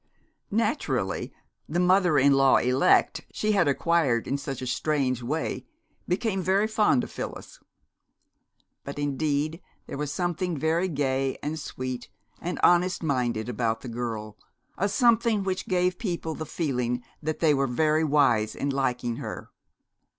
Naturally, the mother in law elect she had acquired in such a strange way became very fond of Phyllis. But indeed there was something very gay and sweet and honest minded about the girl, a something which gave people the feeling that they were very wise in liking her.